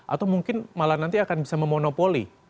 atau mungkin malah nanti akan bisa memonopoli